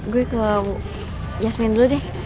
gue ke yasmin dulu deh